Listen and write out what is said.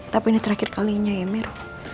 tapi ini terakhir kalinya ya mir